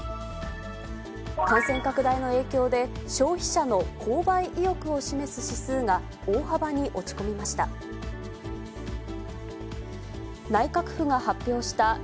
感染拡大の影響で、消費者の購買意欲を示す指数が、大幅に落ち込みました。